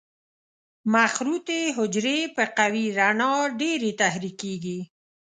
مخروطي حجرې په قوي رڼا ډېرې تحریکېږي.